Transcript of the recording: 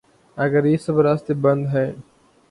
اگریہ سب راستے بند ہیں۔